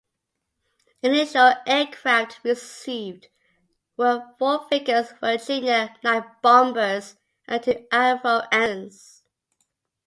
Initial aircraft received were four Vickers Virginia night bombers and two Avro Ansons.